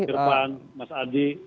irfan mas adi